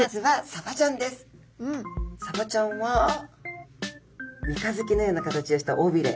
サバちゃんは三日月のような形をした尾びれ。